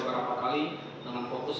beberapa kali dengan fokus